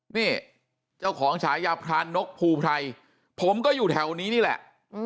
นี่เจ้าของฉายาพรานนกภูไพรผมก็อยู่แถวนี้นี่แหละ